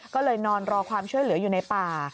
ก็เลยนอนรอความช่วยเหลืออยู่ในป่า